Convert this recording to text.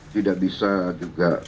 tidak bisa juga